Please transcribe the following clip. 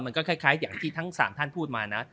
มันก็คล้ายอย่างที่ทั้ง๓ท่านพูดมานะ